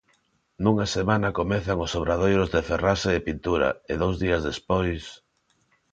Nunha semana comezan os obradoiros de ferraxe e pintura, e dous días despois...